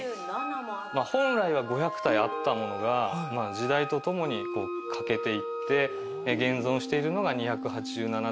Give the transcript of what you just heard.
本来は５００体あったものが時代とともに欠けていって現存しているのが２８７体です。